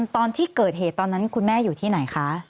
ตอนที่เกิดเหตุตอนนั้นคุณแม่อยู่ที่ไหนคะ